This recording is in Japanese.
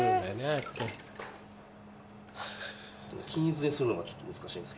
均一にするのがちょっと難しいんですけど。